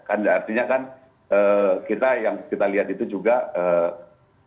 kan artinya kan kita yang kita lihat itu juga